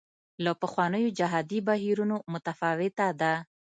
له پخوانیو جهادي بهیرونو متفاوته ده.